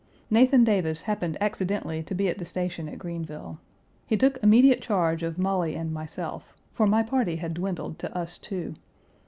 Nathan Davis happened accidentally to be at the station at Greenville. He took immediate charge of Molly and myself, for my party had dwindled to us two.